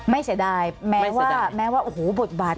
ไม่เสียดายแม้ว่าแม้ว่าโอ้โหบุตรบาด